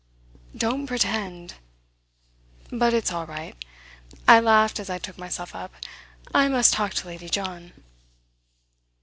Don't pretend! But it's all right." I laughed as I took myself up. "I must talk to Lady John."